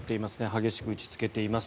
激しく打ちつけています。